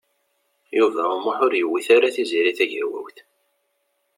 Yuba U Muḥ ur yewwit ara Tiziri Tagawawt.